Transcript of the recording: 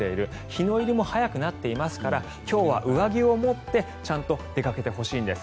日の入りも早くなっていますから今日は上着を持ってちゃんと出かけてほしいんです。